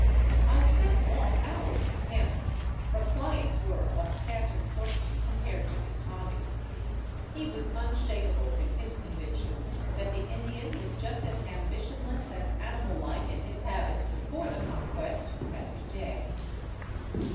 I spent long hours with him, for clients were of scant importance compared to his hobby. He was unshakable in his convic tion that the Indian was just as ambitionless and animal like in his habits before the Conquest, as to day.